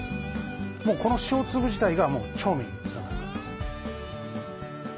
もうこの塩粒自体が調味につながるからです。